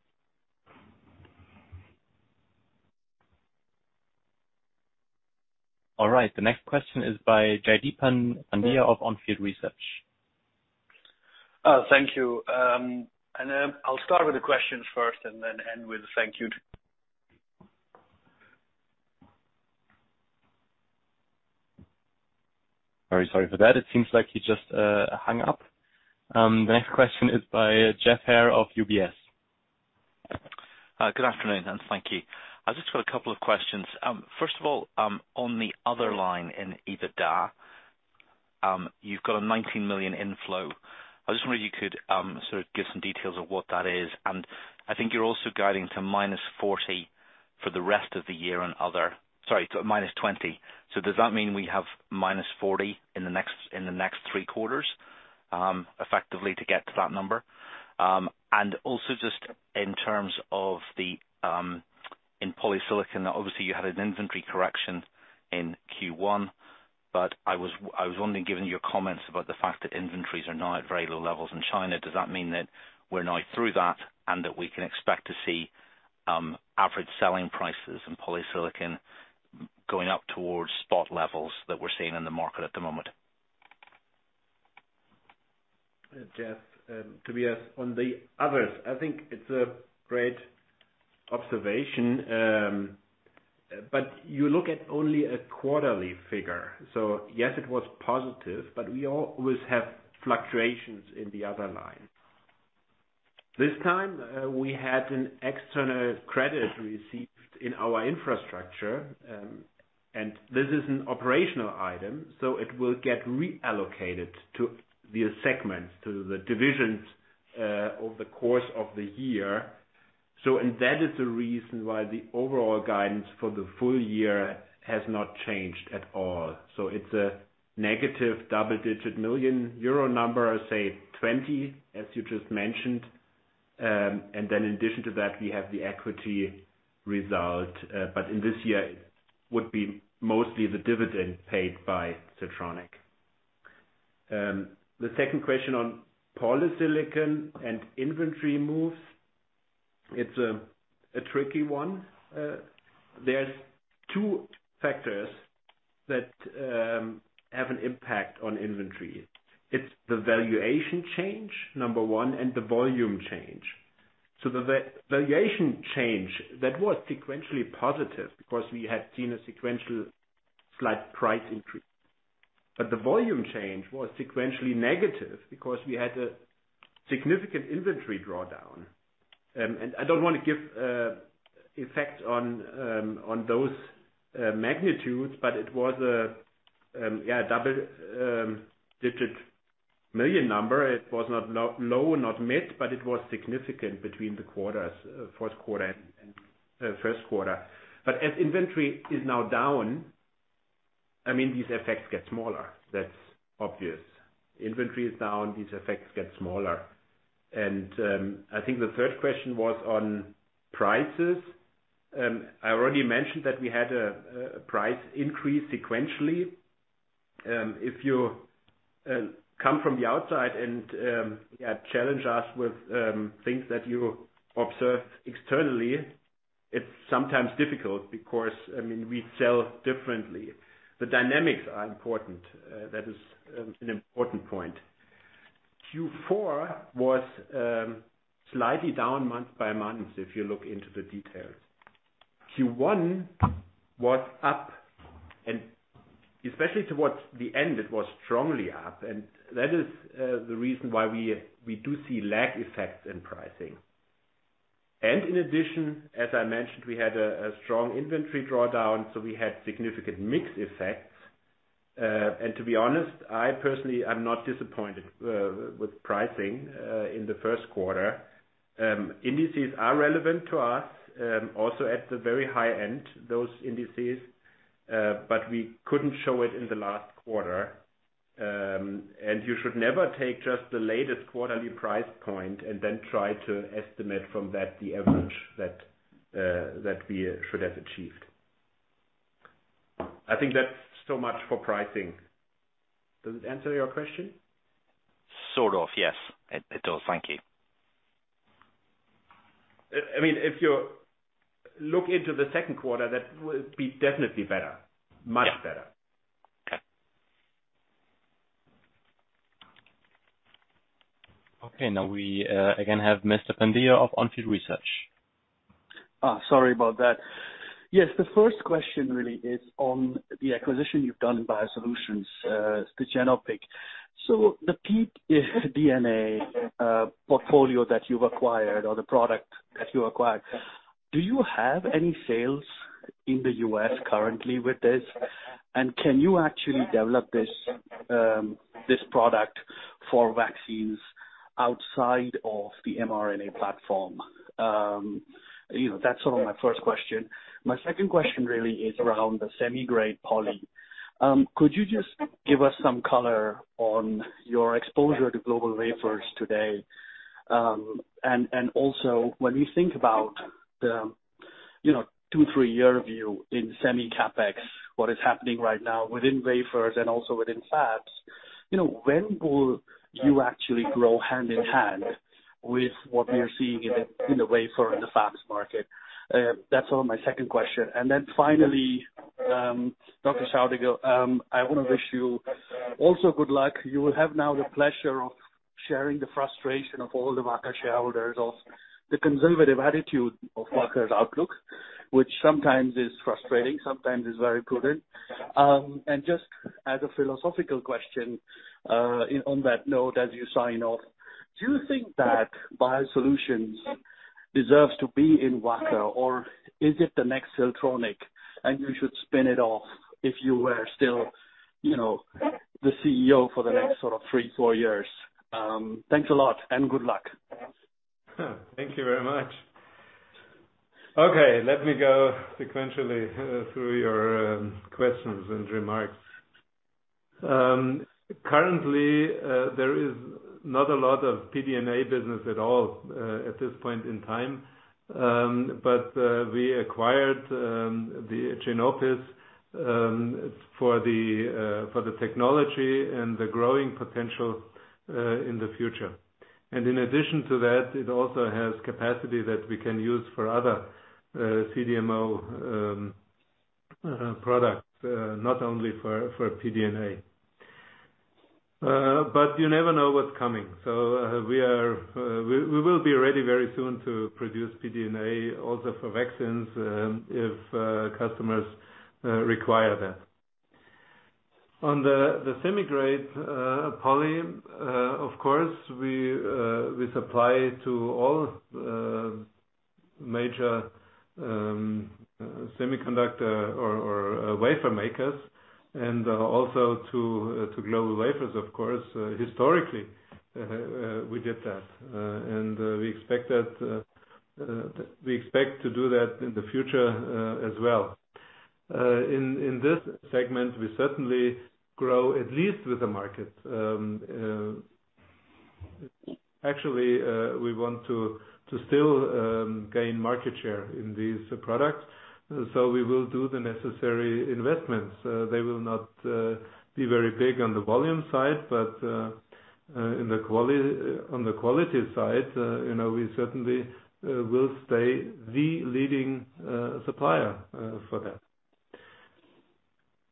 All right. The next question is by Jaideep Pandya of On Field Investment Research. Thank you. I'll start with the questions first and then end with a thank you. Very sorry for that. It seems like he just hung up. The next question is by Geoff Haire of UBS. Good afternoon, and thank you. I've just got a couple of questions. First of all, on the other line in EBITDA, you've got a $19 million inflow. I just wonder if you could give some details of what that is? I think you're also guiding to -40 for the rest of the year, sorry, to -20. Does that mean we have -40 in the next three quarters, effectively, to get to that number? Also just in terms of in polysilicon, obviously, you had an inventory correction in Q1, but I was only given your comments about the fact that inventories are now at very low levels in China. Does that mean that we're now through that, and that we can expect to see average selling prices in polysilicon going up towards spot levels that we're seeing in the market at the moment? Geoff, Tobias, on the others, I think it's a great observation. You look at only a quarterly figure. Yes, it was positive, but we always have fluctuations in the other line. This time, we had an external credit received in our infrastructure. This is an operational item, so it will get reallocated to the segments, to the divisions over the course of the year. That is the reason why the overall guidance for the full-year has not changed at all. It's a negative double-digit million euro number, say 20, as you just mentioned. Then in addition to that, we have the equity result. In this year, it would be mostly the dividend paid by Siltronic. The second question on polysilicon and inventory moves. It's a tricky one. There's two factors that have an impact on inventory. It's the valuation change, number one, and the volume change. The valuation change, that was sequentially positive because we had seen a sequential slight price increase. The volume change was sequentially negative because we had a significant inventory drawdown. I don't want to give effect on those magnitudes, but it was a double-digit. Million number. It was not low, not met, but it was significant between the fourth quarter and first quarter. As inventory is now down, these effects get smaller. That's obvious. Inventory is down, these effects get smaller. I think the third question was on prices. I already mentioned that we had a price increase sequentially. If you come from the outside and challenge us with things that you observed externally, it is sometimes difficult because we sell differently. The dynamics are important. That is an important point. Q4 was slightly down month-by-month, if you look into the details. Q1 was up, and especially towards the end, it was strongly up, and that is the reason why we do see lag effects in pricing. In addition, as I mentioned, we had a strong inventory drawdown, so we had significant mix effects. To be honest, I personally am not disappointed with pricing in the first quarter. Indices are relevant to us, also at the very high end, those indices, but we couldn't show it in the last quarter. You should never take just the latest quarterly price point and then try to estimate from that the average that we should have achieved. I think that's so much for pricing. Does it answer your question? Sort of. Yes. It does. Thank you. If you look into the second quarter, that will be definitely better. Yeah. Much better. Okay, now we again have Mr. Pandya of On Field Investment Research. Sorry about that. Yes, the first question really is on the acquisition you've done in Biosolutions, the Genopis. The pDNA portfolio that you've acquired or the product that you acquired, do you have any sales in the U.S. currently with this? Can you actually develop this product for vaccines outside of the mRNA platform? That's my first question. My second question really is around the semi-grade poly. Could you just give us some color on your exposure to GlobalWafers today? Also when you think about the two, three-year view in semi CapEx, what is happening right now within wafers and also within fabs, when will you actually grow hand in hand with what we are seeing in the wafer, in the fabs market? That's all my second question. Finally, Dr. Staudigl, I want to wish you also good luck. You will have now the pleasure of sharing the frustration of all the Wacker shareholders of the conservative attitude of Wacker's outlook, which sometimes is frustrating, sometimes is very prudent. Just as a philosophical question, on that note, as you sign off, do you think that Biosolutions deserves to be in Wacker, or is it the next Siltronic and you should spin it off if you were still the CEO for the next three, four years? Thanks a lot, good luck. Thank you very much. Okay, let me go sequentially through your questions and remarks. Currently, there is not a lot of pDNA business at all at this point in time. We acquired Genopis for the technology and the growing potential in the future. In addition to that, it also has capacity that we can use for other CDMO products, not only for pDNA. You never know what's coming. We will be ready very soon to produce pDNA also for vaccines, if customers require that. On the semi-grade poly, of course, we supply to all major semiconductor or wafer makers and also to GlobalWafers, of course. Historically, we did that. We expect to do that in the future as well. In this segment, we certainly grow at least with the market. Actually, we want to still gain market share in these products. We will do the necessary investments. They will not be very big on the volume side, but on the quality side we certainly will stay the leading supplier for that.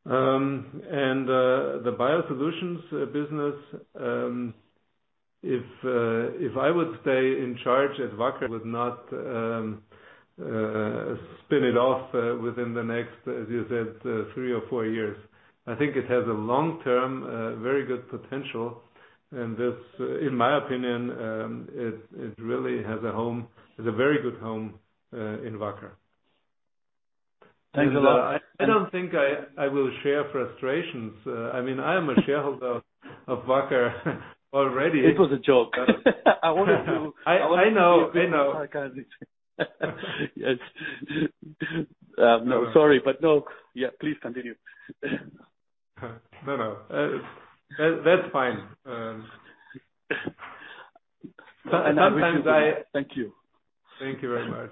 The Biosolutions business, if I would stay in charge at Wacker, would not spin it off within the next, as you said, three or four years. I think it has a long-term, very good potential, and in my opinion, it really has a very good home in Wacker. Thanks a lot. I don't think I will share frustrations. I am a shareholder of Wacker already. It was a joke. I know. No, sorry. No. Yeah, please continue. No. That's fine. Thank you. Thank you very much.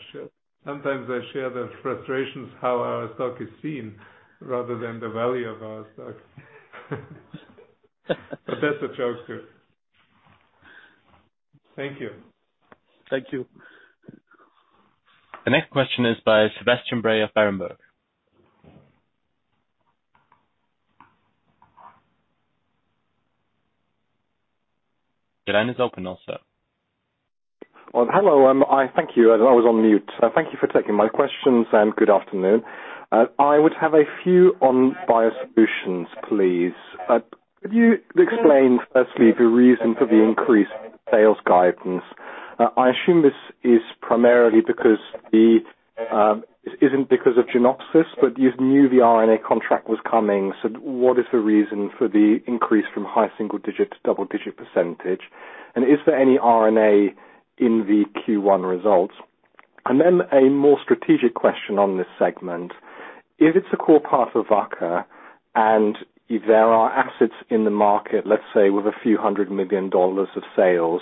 Sometimes I share the frustrations how our stock is seen rather than the value of our stock. That's a joke, too. Thank you. Thank you. The next question is by Sebastian Bray of Berenberg. Your line is open also. Hello. Thank you. I was on mute. Thank you for taking my questions, and good afternoon. I would have a few on Biosolutions, please. Could you explain, firstly, the reason for the increased sales guidance? I assume this isn't because of Genopis, but you knew the RNA contract was coming. What is the reason for the increase from high single-digit to double-digit percentage? Is there any RNA in the Q1 results? A more strategic question on this segment. If it's a core part of Wacker and there are assets in the market, let's say with a few hundred million EUR of sales,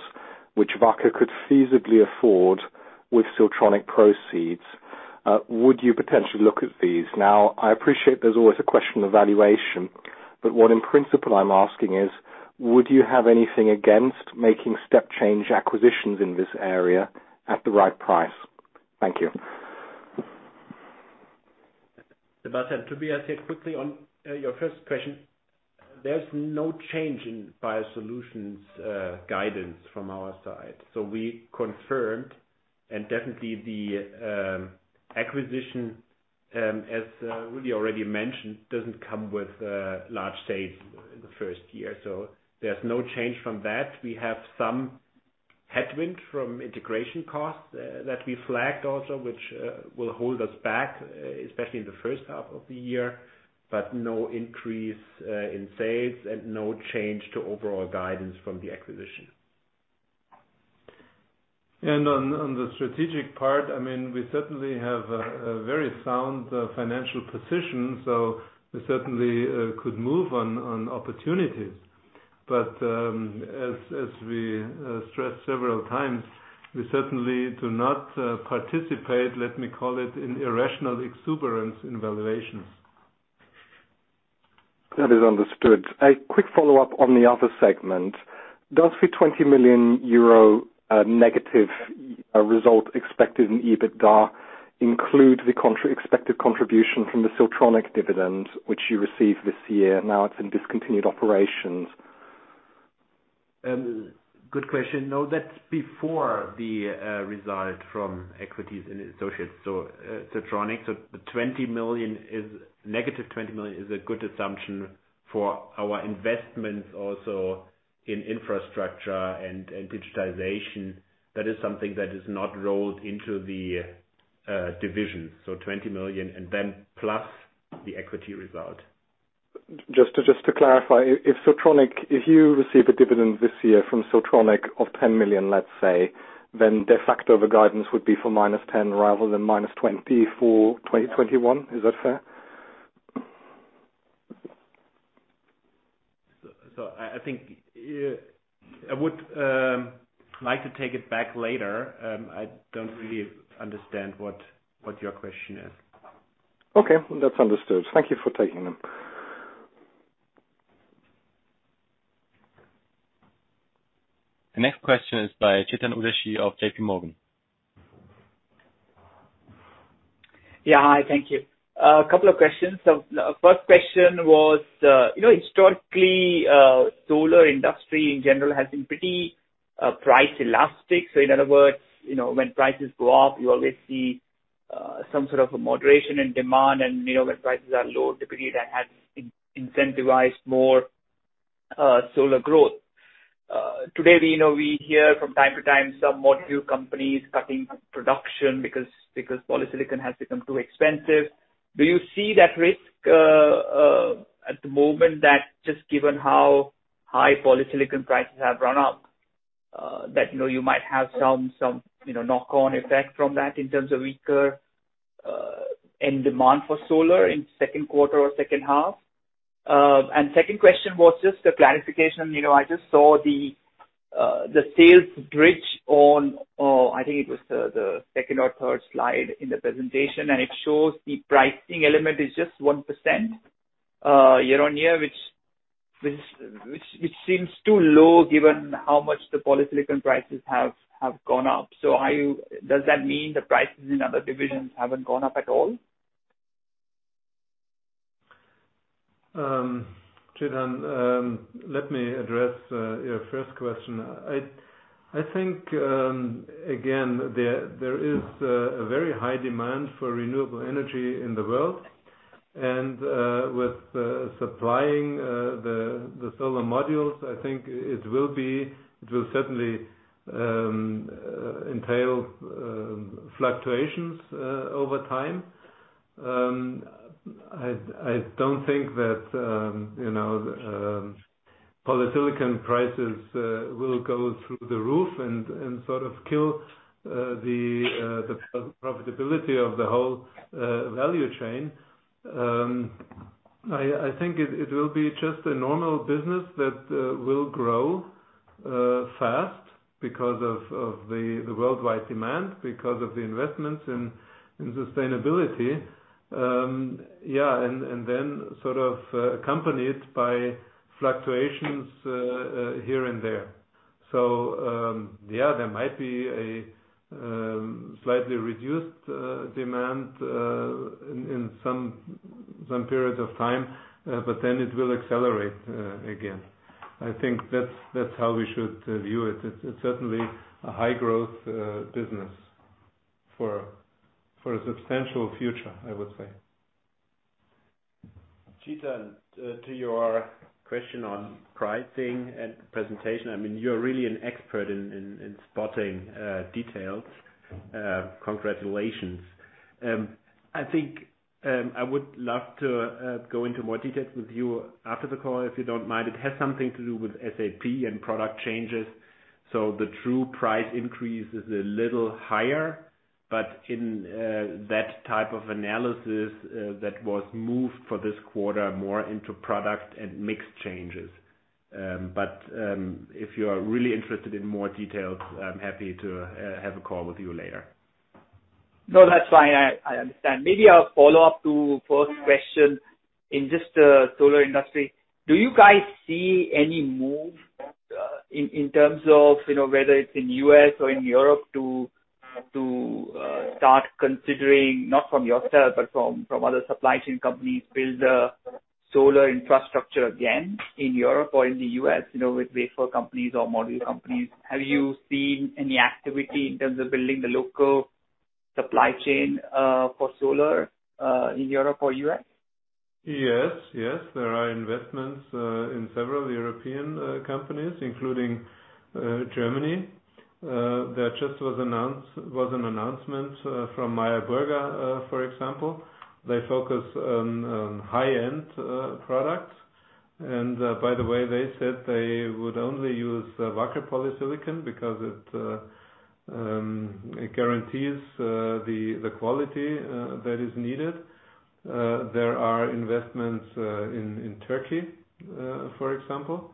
which Wacker could feasibly afford with Siltronic proceeds, would you potentially look at these? I appreciate there's always a question of valuation, but what in principle I'm asking is, would you have anything against making step change acquisitions in this area at the right price? Thank you. Sebastian, Tobias quickly on your first question, there's no change in biosolutions guidance from our side. We confirmed and definitely the acquisition, as Rudi already mentioned, doesn't come with large sales in the first year. There's no change from that. We have some headwind from integration costs that we flagged also, which will hold us back, especially in the first half of the year, but no increase in sales and no change to overall guidance from the acquisition. On the strategic part, we certainly have a very sound financial position, so we certainly could move on opportunities. As we stressed several times, we certainly do not participate, let me call it, in irrational exuberance in valuations. That is understood. A quick follow-up on the other segment. Does the 20 million euro negative result expected in EBITDA include the expected contribution from the Siltronic dividend, which you received this year? Now it's in discontinued operations. Good question. No, that's before the result from equities and associates. Siltronic, negative 20 million is a good assumption for our investments also in infrastructure and digitization. That is something that is not rolled into the division. 20 million and plus the equity result. Just to clarify, if you receive a dividend this year from Siltronic of 10 million, let's say, then de facto the guidance would be for -10 rather than -20 for 2021. Is that fair? I think I would like to take it back later. I don't really understand what your question is. Okay. That's understood. Thank you for taking them. The next question is by Chetan Udeshi of JPMorgan. Yeah, hi. Thank you. A couple of questions. First question was, historically, solar industry in general has been pretty price elastic. In other words, when prices go up, you always see some sort of a moderation in demand. You know when prices are low, typically that has incentivized more solar growth. Today, we hear from time to time some module companies cutting production because polysilicon has become too expensive. Do you see that risk at the moment that just given how high polysilicon prices have run up, that you might have some knock-on effect from that in terms of weaker in demand for solar in second quarter or second half? Second question was just a clarification. I just saw the sales bridge on, I think it was the second or third slide in the presentation, and it shows the pricing element is just 1% year-on-year, which seems too low given how much the polysilicon prices have gone up. Does that mean the prices in other divisions haven't gone up at all? Chetan, let me address your first question. I think, again, there is a very high demand for renewable energy in the world. With supplying the solar modules, I think it will certainly entail fluctuations over time. I don't think that polysilicon prices will go through the roof and sort of kill the profitability of the whole value chain. I think it will be just a normal business that will grow fast because of the worldwide demand, because of the investments in sustainability, sort of accompanied by fluctuations here and there. There might be a slightly reduced demand in some period of time, but then it will accelerate again. I think that's how we should view it. It's certainly a high-growth business for a substantial future, I would say. Chetan, to your question on pricing and presentation, you're really an expert in spotting details. Congratulations. I think, I would love to go into more details with you after the call, if you don't mind. It has something to do with SAP and product changes. In that type of analysis, that was moved for this quarter more into product and mix changes. If you are really interested in more details, I'm happy to have a call with you later. No, that's fine. I understand. Maybe I'll follow up to first question in just the solar industry. Do you guys see any move in terms of, whether it's in U.S. or in Europe to start considering, not from yourself, but from other supply chain companies, build a solar infrastructure again in Europe or in the U.S., with wafer companies or module companies? Have you seen any activity in terms of building the local supply chain, for solar, in Europe or U.S.? Yes. There are investments in several European companies, including Germany. There just was an announcement from Meyer Burger, for example. They focus on high-end products. By the way, they said they would only use Wacker polysilicon because it guarantees the quality that is needed. There are investments in Turkey, for example.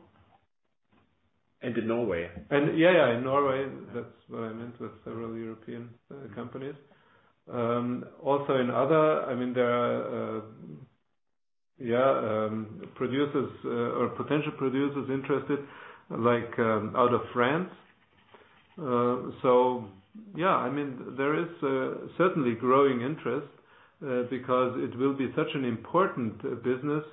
In Norway. Yeah, in Norway. That's what I meant with several European companies. Also in other, there are producers or potential producers interested, like, out of France. Yeah, there is certainly growing interest, because it will be such an important business,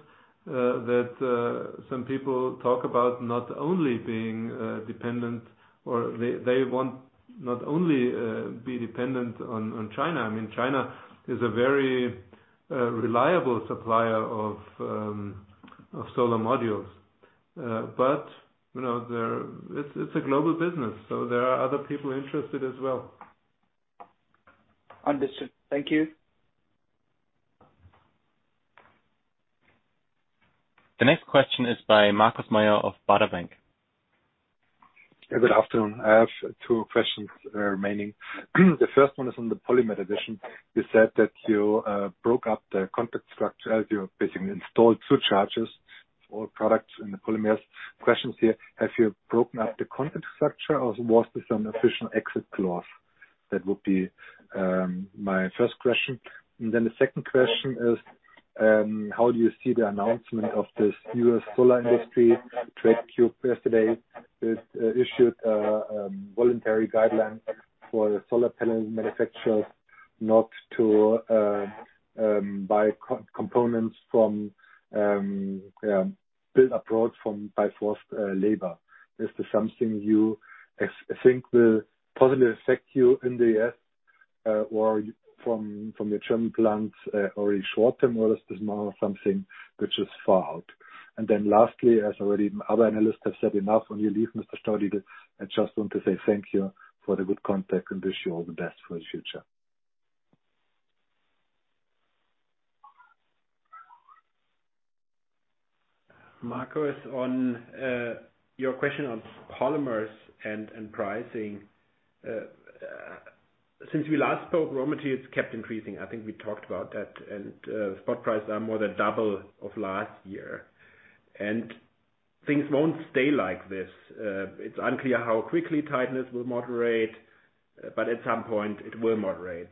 that some people talk about not only being dependent or they want not only be dependent on China. China is a very reliable supplier of solar modules. It's a global business, so there are other people interested as well. Understood. Thank you. The next question is by Markus Mayer of Baader Bank. Good afternoon. I have two questions remaining. The first one is on the Polymer Division. You said that you broke up the contract structure as you basically installed surcharges for all products in the polymers. Question here, have you broken up the contract structure or was this an official exit clause? That would be my first question. Then the second question is, how do you see the announcement of this U.S. solar industry trade group yesterday that issued a voluntary guideline for solar panel manufacturers not to buy components built abroad from forced labor? Is this something you think will positively affect you in the U.S., or from your German plants, or is short-term, or is this more something which is far out? Lastly, as already other analysts have said enough on your leave, Mr. Staudigl, I just want to say thank you for the good contact and wish you all the best for the future. Markus, on your question on polymers and pricing. Since we last spoke, raw materials kept increasing. I think we talked about that, and spot prices are more than double of last year. Things won't stay like this. It's unclear how quickly tightness will moderate, but at some point, it will moderate.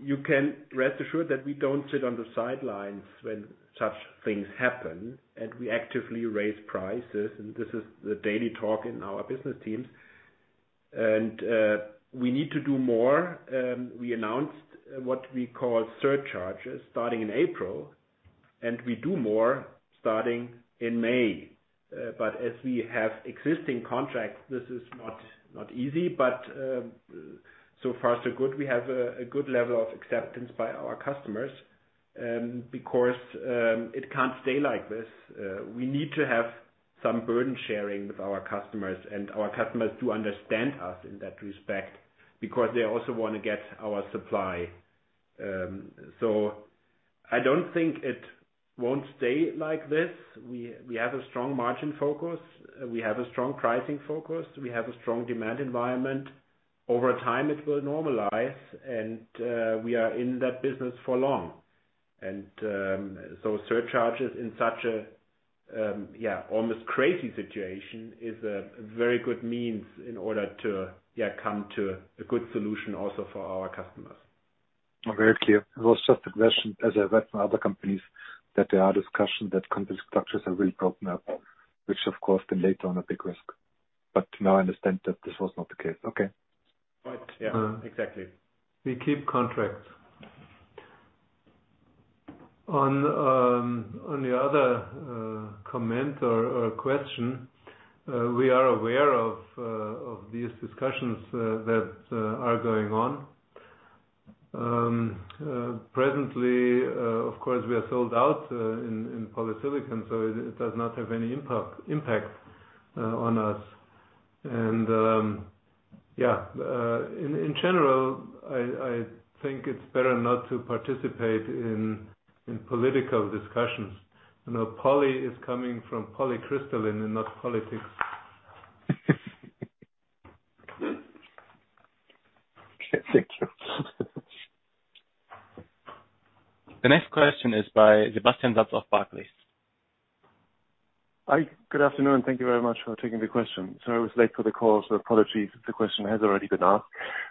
You can rest assured that we don't sit on the sidelines when such things happen, and we actively raise prices. This is the daily talk in our business teams. We need to do more. We announced what we call surcharges starting in April. And we do more starting in May. As we have existing contracts, this is not easy. So far so good. We have a good level of acceptance by our customers. Because it can't stay like this. We need to have some burden sharing with our customers. Our customers do understand us in that respect, because they also want to get our supply. I don't think it won't stay like this. We have a strong margin focus. We have a strong pricing focus. We have a strong demand environment. Over time, it will normalize, and we are in that business for long. Surcharges in such a almost crazy situation is a very good means in order to come to a good solution also for our customers. Very clear. It was just a question, as I read from other companies that there are discussions that contract structures have really broken up, which of course can later on a big risk. Now I understand that this was not the case. Okay. Right. Yeah. Exactly. We keep contracts. On the other comment or question, we are aware of these discussions that are going on. Presently, of course, we are sold out in polysilicon, so it does not have any impact on us. In general, I think it's better not to participate in political discussions. Poly is coming from polycrystalline and not politics. Okay. Thank you. The next question is by Sebastian Satz of Barclays. Hi. Good afternoon. Thank you very much for taking the question. Sorry I was late for the call, so apologies if the question has already been asked.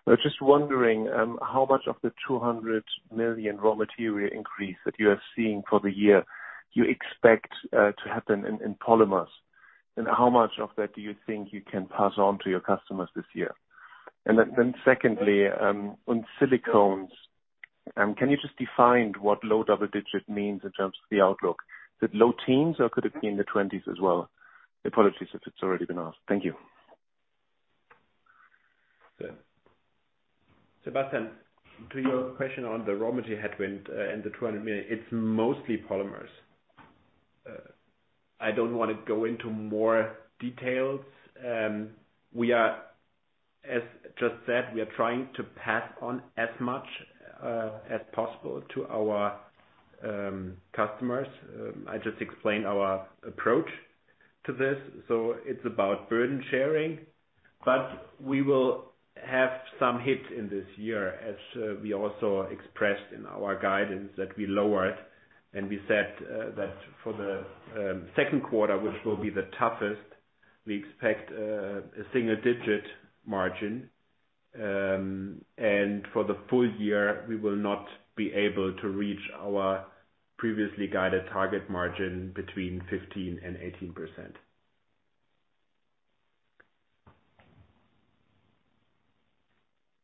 I was just wondering, how much of the 200 million raw material increase that you are seeing for the year you expect to happen in polymers? How much of that do you think you can pass on to your customers this year? Secondly, on silicones, can you just define what low double digit means in terms of the outlook? Is it low teens or could it be in the twenties as well? Apologies if it's already been asked. Thank you. Sebastian, to your question on the raw material headwind and the 200 million, it is mostly polymers. I do not want to go into more details. As just said, we are trying to pass on as much as possible to our customers. I just explained our approach to this, so it is about burden sharing. We will have some hit in this year as we also expressed in our guidance that we lowered and we said that for the second quarter, which will be the toughest, we expect a single-digit margin. For the full-year, we will not be able to reach our previously guided target margin between 15% and 18%.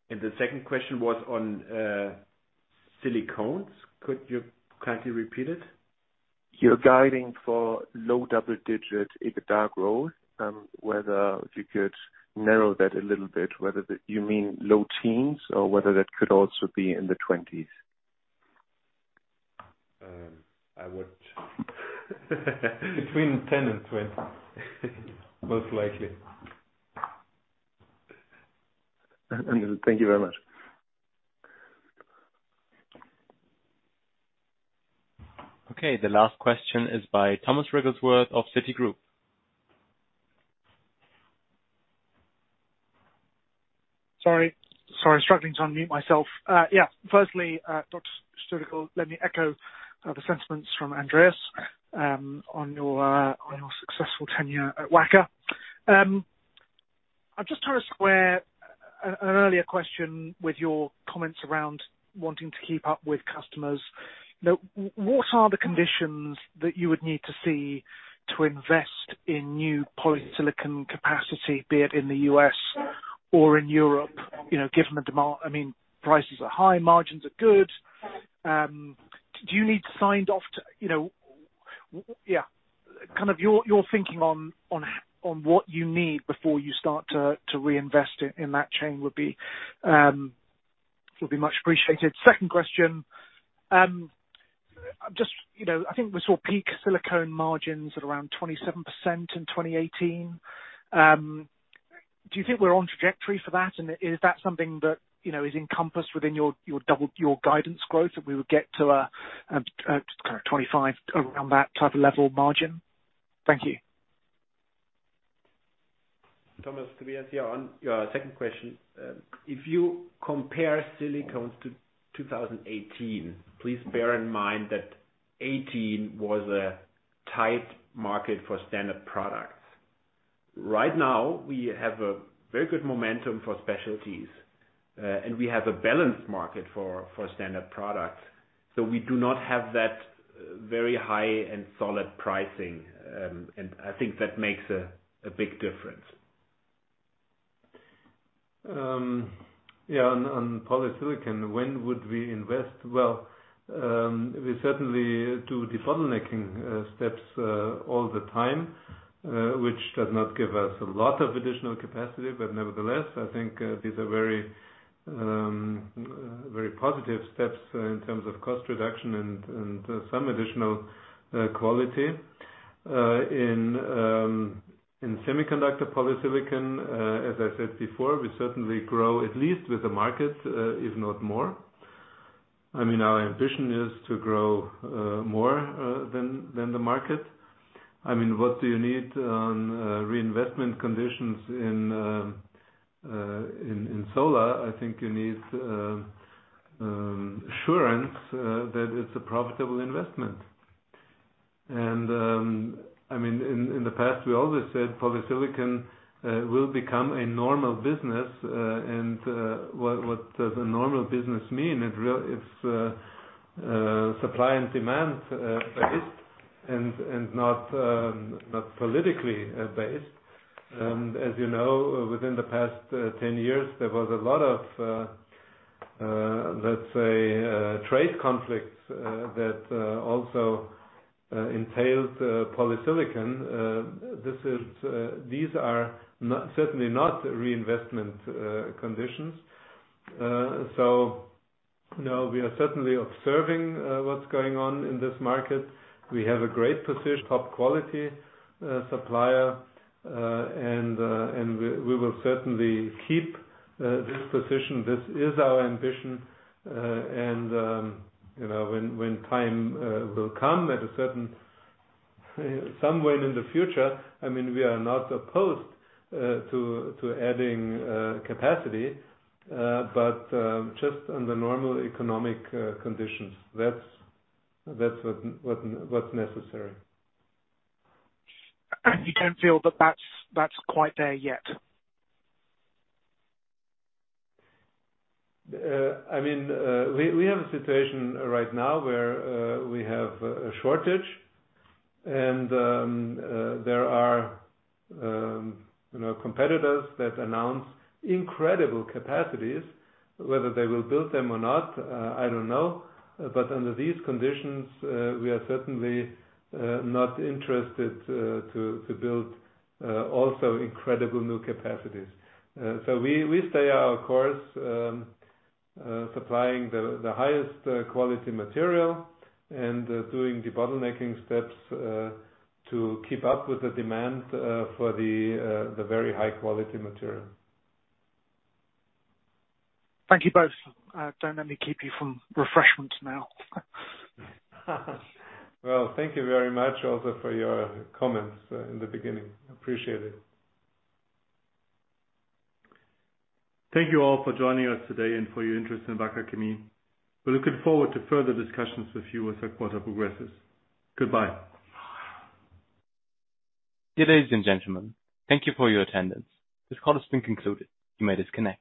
The second question was on silicones. Could you kindly repeat it? You're guiding for low double digits EBITDA growth, whether you could narrow that a little bit, whether you mean low teens or whether that could also be in the twenties. I would Between 10 and 20, most likely. Understood. Thank you very much. Okay. The last question is by Tom Wrigglesworth of Citigroup. Sorry. Struggling to unmute myself. Yeah. Firstly, Dr. Staudigl, let me echo the sentiments from Andreas on your successful tenure at Wacker. I'm just trying to square an earlier question with your comments around wanting to keep up with customers. Now, what are the conditions that you would need to see to invest in new polysilicon capacity, be it in the U.S. or in Europe, given the demand? Prices are high, margins are good. Do you need signed off? Your thinking on what you need before you start to reinvest in that chain would be much appreciated. Second question. I think we saw peak silicones margins at around 27% in 2018. Do you think we're on trajectory for that? Is that something that is encompassed within your guidance growth that we would get to around that type of level margin? Thank you. Thomas, Tobias here. On your second question. If you compare silicones to 2018, please bear in mind that 2018 was a tight market for standard products. Right now, we have a very good momentum for specialties. We have a balanced market for standard products. We do not have that very high and solid pricing. I think that makes a big difference. Yeah. On polysilicon, when would we invest? Well, we certainly do debottlenecking steps all the time, which does not give us a lot of additional capacity. Nevertheless, I think these are very positive steps in terms of cost reduction and some additional quality. In semiconductor polysilicon, as I said before, we certainly grow at least with the market, if not more. Our ambition is to grow more than the market. What do you need on reinvestment conditions in solar? I think you need assurance that it's a profitable investment. In the past, we always said polysilicon will become a normal business. What does a normal business mean? It's supply and demand-based and not politically based. As you know, within the past 10 years, there was a lot of, let's say, trade conflicts that also entailed polysilicon. These are certainly not reinvestment conditions. Now we are certainly observing what's going on in this market. We have a great position, top quality supplier, and we will certainly keep this position. This is our ambition. When time will come at a certain somewhen in the future, we are not opposed to adding capacity, but just under normal economic conditions. That's what's necessary. You don't feel that that's quite there yet? We have a situation right now where we have a shortage, and there are competitors that announce incredible capacities. Whether they will build them or not, I don't know. Under these conditions, we are certainly not interested to build also incredible new capacities. We stay our course supplying the highest quality material and doing debottlenecking steps to keep up with the demand for the very high-quality material. Thank you both. Don't let me keep you from refreshments now. Well, thank you very much also for your comments in the beginning. Appreciate it. Thank you all for joining us today and for your interest in Wacker Chemie. We're looking forward to further discussions with you as the quarter progresses. Goodbye. Dear ladies and gentlemen, thank you for your attendance. This call has been concluded. You may disconnect.